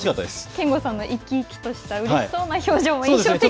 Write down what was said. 憲剛さんも生き生きとしたうれしそうな表情も印象的でした。